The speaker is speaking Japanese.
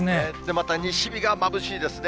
また西日がまぶしいですね。